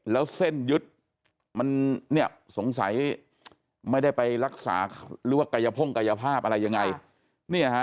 แล้วเส้นยึดมันเนี่ยสงสัยไม่ได้ไปรักษาหรือว่ากายพ่งกายภาพอะไรยังไง